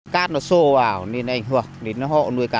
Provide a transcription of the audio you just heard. cát nó sô vào nên ảnh hưởng đến hộ nuôi cát